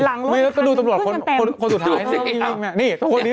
หลังรถขึ้นกันแปบ